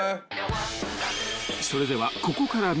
［それではここから未公開